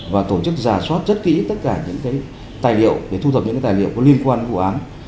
và tổ chức giả soát rất kỹ tất cả những tài liệu để thu thập những tài liệu có liên quan vụ án